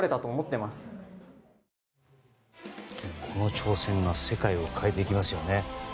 この挑戦が世界を変えていきますよね。